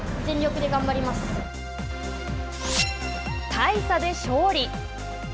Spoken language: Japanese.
大差で勝利。